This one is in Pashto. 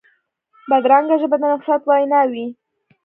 بدرنګه ژبه د نفرت وینا وي